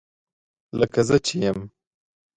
لکه زه چې یم